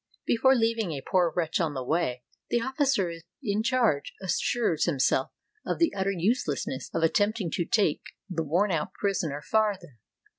Before leaving a poor wretch on the way, the officer in charge assures himself of the utter uselessness of attempting to take the worn out prisoner farther.